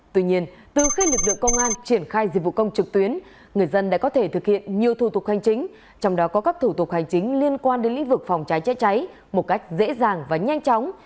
tuy nhiên từ khi lực lượng công an triển khai dịch vụ công trực tuyến người dân đã có thể thực hiện nhiều thủ tục hành chính trong đó có các thủ tục hành chính liên quan đến lĩnh vực phòng cháy chữa cháy một cách dễ dàng và nhanh chóng